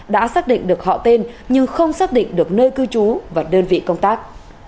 đã xác định được họ tên nhưng không xác định được nơi cư trú và đơn vị công tác